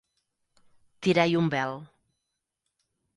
Tirar-hi un vel.